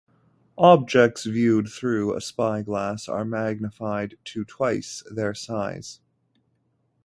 Objects viewed through a spyglass are magnified to twice their size.